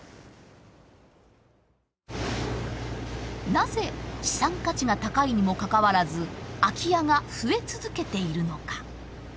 なぜ資産価値が高いにもかかわらず空き家が増え続けているのか。